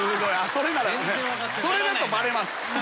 それだとバレます。